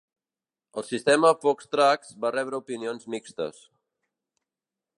El sistema FoxTrax va rebre opinions mixtes.